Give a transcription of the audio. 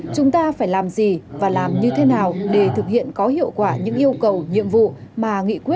chúng ta phải làm gì và làm như thế nào để thực hiện có hiệu quả những yêu cầu nhiệm vụ